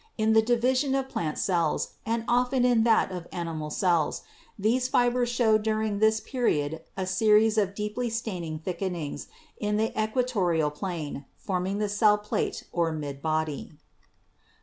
In the division of plant cells and often in that of animal cells these fibers show during this period a series of deeply staining thickenings in the equatorial plane forming the cell plate or mid body.